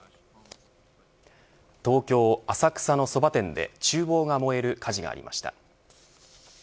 東京、浅草のそば店で厨房が燃える火事がありました。